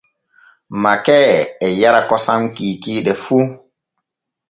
Makee e yaara kosam kiikiiɗe fu.